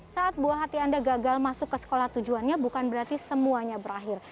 saat buah hati anda gagal masuk ke sekolah tujuannya bukan berarti semuanya berakhir